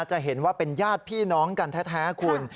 จะเห็นว่าเป็นญาติพี่น้องกันแท้คุณ